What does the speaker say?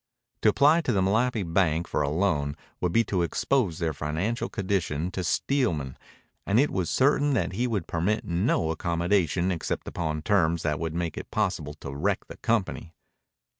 To apply to the Malapi bank for a loan would be to expose their financial condition to Steelman, and it was certain that he would permit no accommodation except upon terms that would make it possible to wreck the company.